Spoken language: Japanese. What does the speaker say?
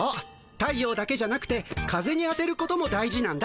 太陽だけじゃなくて風に当てることも大事なんだ。